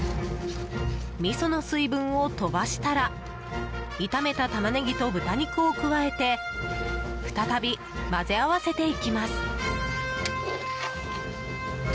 みその水分を飛ばしたら炒めたタマネギと豚肉を加えて再び混ぜ合わせていきます。